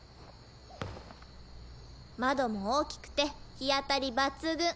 窓も大きくて日当たり抜群。